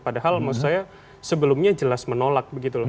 padahal maksud saya sebelumnya jelas menolak begitu loh